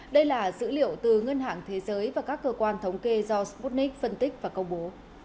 đây là dữ liệu từ ngân hàng thế giới và các cơ quan thống kê do sputnik phân tích và công bố